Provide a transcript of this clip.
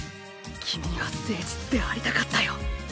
君には誠実でありたかったよ。